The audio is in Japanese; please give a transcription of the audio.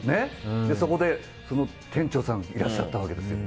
そこで店長さんがいらっしゃったわけですよ。